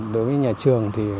đối với nhà trường